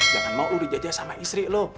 jangan mau uri jajah sama istri lo